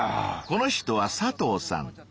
この人は佐藤さん。